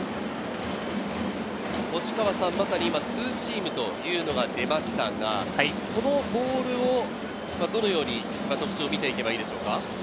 星川さん、今ツーシームというのが出ましたが、このボールをどのように特徴を見ていけばいいでしょうか？